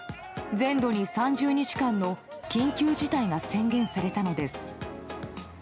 全土に３０日間の緊急事態が宣言されたのです。